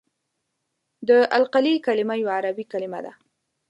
د القلي کلمه یوه عربي کلمه ده.